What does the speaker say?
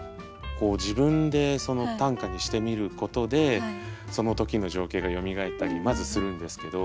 自分で短歌にしてみることでその時の情景がよみがえったりまずするんですけど。